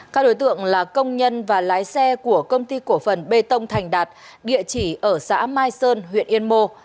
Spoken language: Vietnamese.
các đối tượng là công nhân và lái xe của công ty cổ phần bê tông thành đạt địa chỉ ở xã mai sơn huyện yên mô